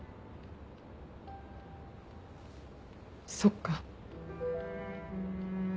そっか。